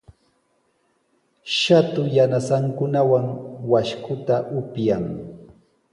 Shatu yanasankunawan washkuta upyan.